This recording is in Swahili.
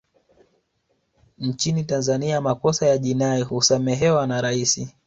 nchini tanzania makosa ya jinai husamehewa na rais